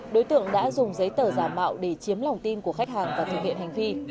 đối tượng đã dùng giấy tờ giả mạo để chiếm lòng tin của khách hàng và thực hiện hành vi